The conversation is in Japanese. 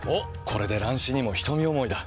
これで乱視にも瞳思いだ。